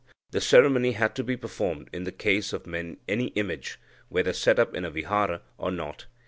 The ceremony had to be performed in the case of any image, whether set up in a vihara or not.